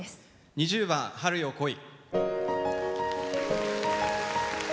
２０番「春よ、来い」。